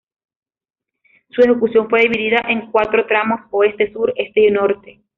Su ejecución fue dividida en cuatro tramos, Oeste, Sur, Este y Norte.